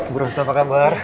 burung apa kabar